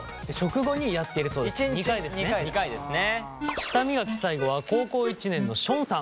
舌磨き最後は高校１年のションさん。